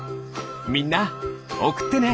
みんなおくってね。